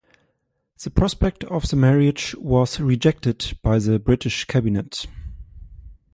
The prospect of the marriage was rejected by the British Cabinet.